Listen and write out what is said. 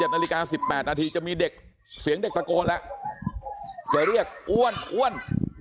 นาฬิกา๑๘นาทีจะมีเด็กเสียงเด็กตะโกนแล้วจะเรียกอ้วนอ้วน